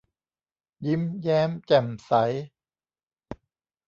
ยิ้มแย้มแจ่มใส